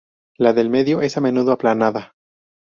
La del medio es a menudo aplanada.